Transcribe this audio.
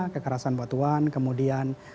kekerasan batuan kemudian